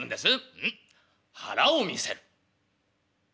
「うん腹を見せる」。